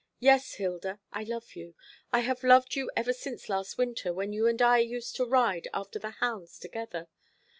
Yes, Hilda, I love you. I have loved you ever since last winter, when you and I used to ride after the hounds together.